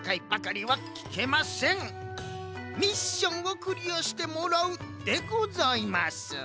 ミッションをクリアしてもらうでございます。